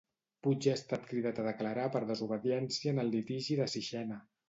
Puig ha estat cridat a declarar per desobediència en el litigi de Sixena.